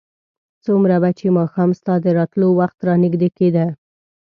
څومره به چې ماښام ستا د راتلو وخت رانږدې کېده.